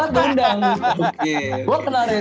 gue kenal reza dari sd dan orangnya emang wangis banget